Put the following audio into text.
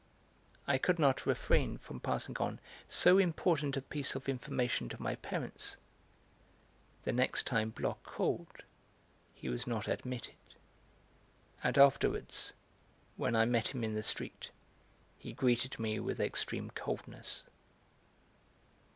I could not refrain from passing on so important a piece of information to my parents; the next time Bloch called he was not admitted, and afterwards, when I met him in the street, he greeted me with extreme coldness.